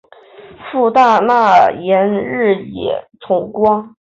父大纳言日野重光。